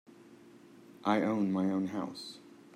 I own my own house.